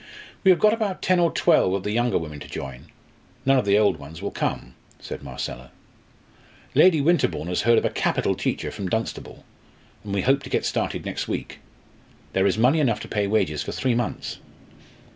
"We have got about ten or eleven of the younger women to join; none of the old ones will come," said Marcella. "Lady Winterbourne has heard of a capital teacher from Dunstable, and we hope to get started next week. There is money enough to pay wages for three months."